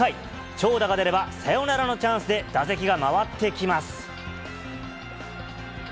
長打が出ればサヨナラのチャンスで、打席が回ってきます。